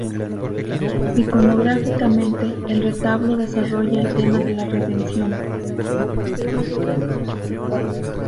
Iconográficamente, el retablo desarrolla el tema de la Redención.